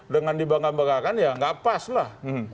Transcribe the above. dengan dibangga banggakan ya nggak pas lah